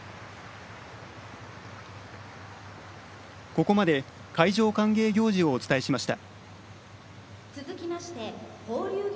ここまで海上歓迎行事をお伝えしました。